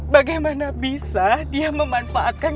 bagaimana bisa dia memanfaatkan